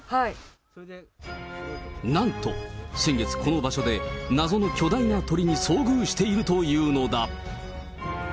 なんと、先月この場所で、謎の巨大な鳥に遭遇しているというのだ。